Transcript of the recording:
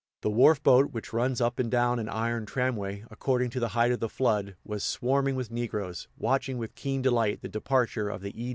The wharf boat, which runs up and down an iron tramway, according to the height of the flood, was swarming with negroes, watching with keen delight the departure of the "E.